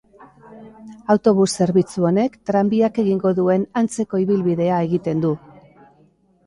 Autobus zerbitzu honek tranbiak egingo duen antzeko ibilbidea egiten du.